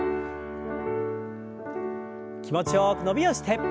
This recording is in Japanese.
気持ちよく伸びをして。